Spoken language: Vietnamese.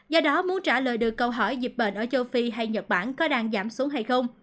do đó muốn trả lời được câu hỏi dịch bệnh ở châu phi hay nhật bản có đang giảm xuống hay không